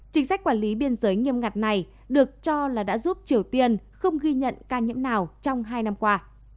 chính sách quản lý biên giới nghiêm ngặt này được cho là đã giúp triều tiên không ghi nhận ca nhiễm nào trong hai năm qua